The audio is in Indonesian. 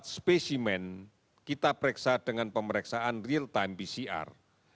enam puluh empat lima puluh empat spesimen kita periksa dengan pemeriksaan real time pcr